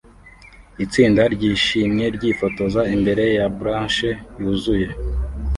Itsinda ryishimye ryifotoza imbere ya blachers yuzuye